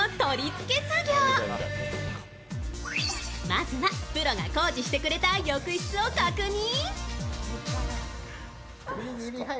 まずはプロが工事してくれた浴室を確認。